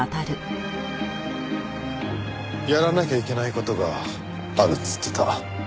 やらなきゃいけない事があるって言ってた。